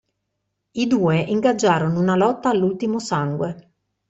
I due ingaggiarono una lotta all'ultimo sangue.